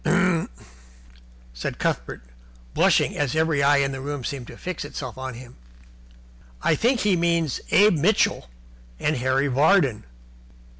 "Er " said Cuthbert, blushing as every eye in the room seemed to fix itself on him, "I think he means Abe Mitchell and Harry Vardon."